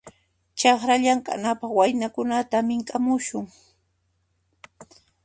Chakra llamk'anapaq waynakunata mink'amusun.